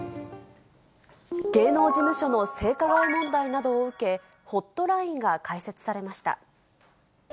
芸能事務所の性加害問題などを受け、ホットラインが開設されました。